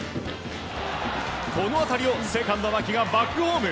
この当たりをセカンド、牧がバックホーム！